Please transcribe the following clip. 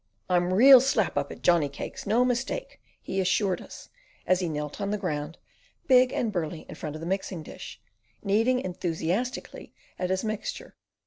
"I'm real slap up at Johnny cakes! No mistake!" he assured us, as he knelt on the ground, big and burly in front of the mixing dish, kneading enthusiastically at his mixture.